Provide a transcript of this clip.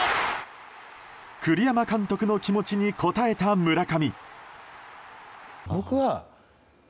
栗山監督の気持ちに応えた村上。